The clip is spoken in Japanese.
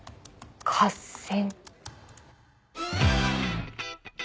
合戦。